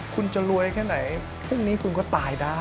คุณจะรวยแค่ไหนพรุ่งนี้คุณก็ตายได้